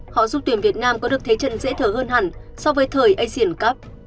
họ giúp tuyển việt nam có được thế trận dễ thở hơn hẳn so với thời asian cup